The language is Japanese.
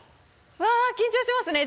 うわっ緊張しますね！